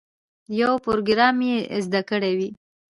یو پروګرام یې زده کړی وي.